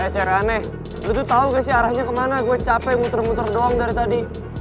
eeh ceraneh lo tuh tau gak sih arahnya kemana gue capek muter muter doang dari tadi